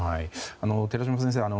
寺嶋先生